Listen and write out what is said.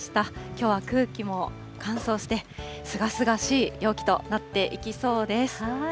きょうは空気も乾燥して、すがすがしい陽気となっていきそうです。